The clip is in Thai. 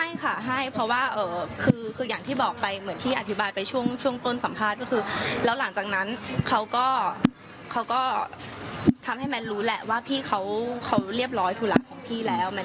ให้ค่ะให้เพราะว่าคืออย่างที่บอกไปเหมือนที่อธิบายไปช่วงต้นสัมภาษณ์ก็คือแล้วหลังจากนั้นเขาก็ทำให้แมนรู้แหละว่าพี่เขาเรียบร้อยธุระของพี่แล้ว